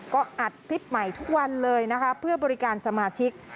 ก็อัดคลิปใหม่ทุกวันเลยนะคะเพื่อบริการสมาชิก